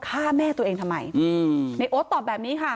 ฆ่าแม่ตัวเองทำไมอืมในโอ๊ตตอบแบบนี้ค่ะ